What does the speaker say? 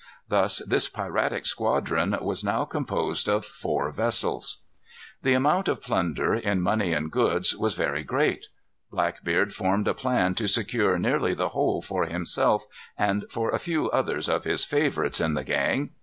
Thus this piratic squadron was now composed of four vessels. The amount of plunder, in money and goods, was very great. Blackbeard formed a plan to secure nearly the whole for himself, and for a few others of his favorites in the gang.